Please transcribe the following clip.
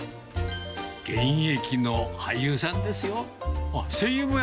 現役の俳優さんですよ。